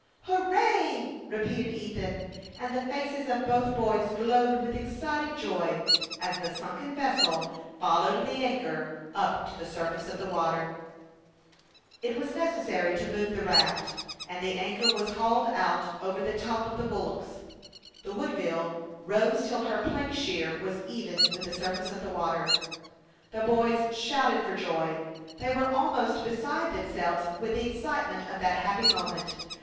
" Hurrah !" repeated Ethan, and the faces of both boys glowed with excited joy, as the sunken vessel followed the anchor up to the surface of the water. 142 HASTE AND WASTE, OR It was necessary to move the raft, and the anchor was hauled out over the top of the bulwarks. The Woodville rose till her plankshear was even with the surface of the water. The boys shouted for joy ; they were almost beside themselves with the excite ment of that happy moment.